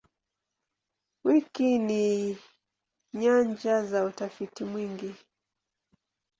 Wiki ni nyanja za utafiti mwingi.